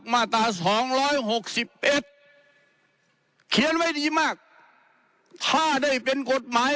มาตราสองร้อยหกสิบเอ็ดเขียนไว้ดีมากถ้าได้เป็นกฎหมาย